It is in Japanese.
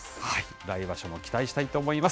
来場所も期待したいと思います。